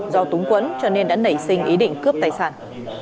do túng quẫn cho nên đã nảy sinh ý định cướp tài sản